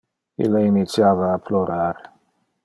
Ille initiava a plorar.